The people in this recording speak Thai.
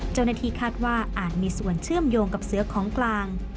เจ้าหน้าที่คาดว่าอาจมีส่วนเชื่อมโยงกับเสือของกลาง